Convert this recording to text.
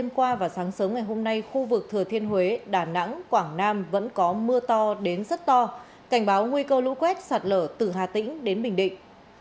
mưa lũ quét sạt lở từ hà tĩnh đến bình định